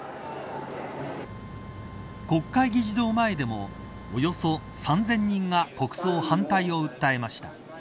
国会議事堂前でもおよそ３０００人が国葬反対を訴えました